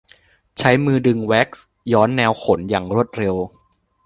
ใช้มือดึงแว็กซ์ย้อนแนวขนอย่างรวดเร็ว